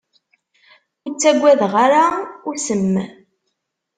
Ur ttagadeɣ ara usem.